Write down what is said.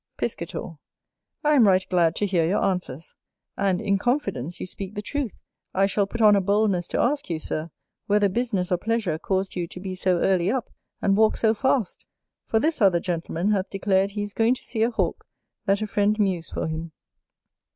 Piscator. I am right glad to hear your answers; and, in confidence you speak the truth, I shall put on a boldness to ask you, Sir, whether business or pleasure caused you to be so early up, and walk so fast? for this other gentleman hath declared he is going to see a hawk, that a friend mews for him.